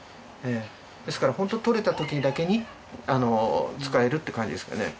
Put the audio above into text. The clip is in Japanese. ですからホント採れた時だけに使えるって感じですね。